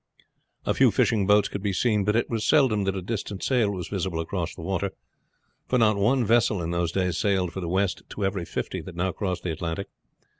A few fishing boats could be seen, but it was seldom that a distant sail was visible across the water; for not one vessel in those days sailed for the west to every fifty that now cross the Atlantic.